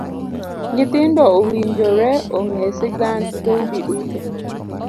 Nyithindo owinjore ong'e sigand dhoudi duto.